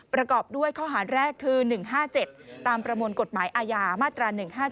ประกอบด้วยข้อหารแรกคือ๑๕๗ตามประมวลกฎหมายอาญามาตรา๑๕๗